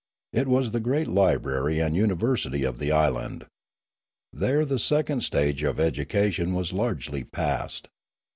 M It was the great library and university of the island. There the second stage of education was largely passed.